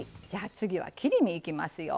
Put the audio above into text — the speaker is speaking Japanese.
次は、切り身いきますよ。